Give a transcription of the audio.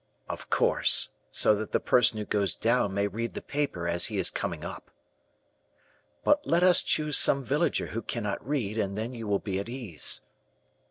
"'Of course; so that the person who goes down may read the paper as he is coming up.' "'But let us choose some villager who cannot read, and then you will be at ease.